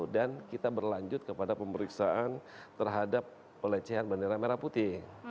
dan kita berlanjut kepada pemeriksaan terhadap pelecehan bandara merah putih